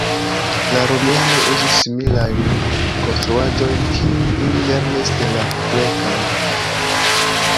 La Romianoj uzis similajn konstruaĵojn, kiujn ili lernis de la grekaj.